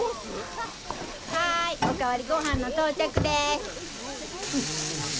ハイお代わりごはんの到着です！